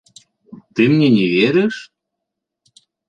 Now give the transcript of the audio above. Ты мне не верыш?